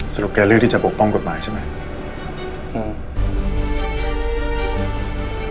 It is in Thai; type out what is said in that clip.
สรุปแกเลือกที่จะปกป้องกฎหมายใช่ไหม